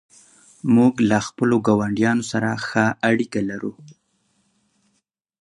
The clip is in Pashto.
موږ له خپلو ګاونډیانو سره ښه اړیکه لرو.